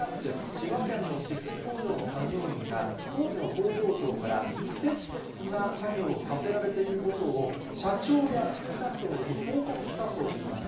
千葉県の酒々井工場の作業員が、当時の工場長から、不適切な作業をさせられていることを、社長や副社長に報告したといいます。